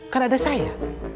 kan ada saya